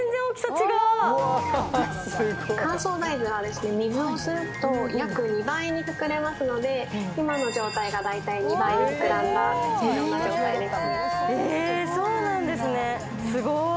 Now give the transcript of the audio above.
乾燥大豆は水を吸うと約２倍に膨れますので、今の状態が大体２倍に膨らんだ状態です。